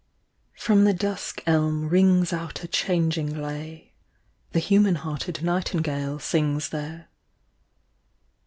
From the dusk elm rings out a changing lay j The human hearted nightingale sings there.